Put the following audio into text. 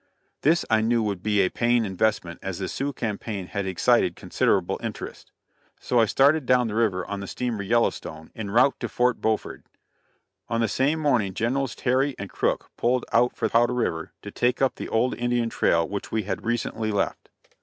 This I knew would be a paying investment as the Sioux campaign had excited considerable interest. So I started down the river on the steamer Yellowstone en route to Fort Beauford. On the same morning Generals Terry and Crook pulled out for Powder river, to take up the old Indian trail which we had recently left.